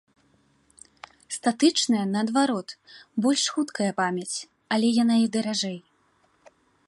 Статычная, наадварот, больш хуткая памяць, яле яна і даражэй.